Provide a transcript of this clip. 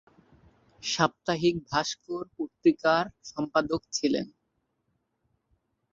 সাপ্তাহিক "ভাস্কর" পত্রিকার সম্পাদক ছিলেন।